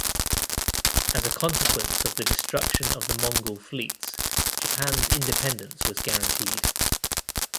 As a consequence of the destruction of the Mongol fleets, Japan's independence was guaranteed.